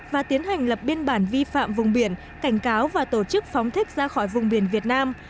và tiến hành lập biên bản vi phạm vùng biển cảnh cáo và tổ chức phóng thích ra khỏi vùng biển việt nam